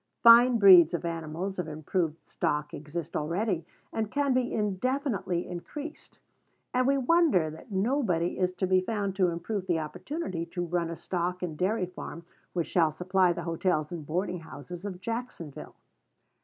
Fine breeds of animals of improved stock exist already, and can be indefinitely increased; and we wonder that nobody is to be found to improve the opportunity to run a stock and dairy farm which shall supply the hotels and boarding houses of Jacksonville.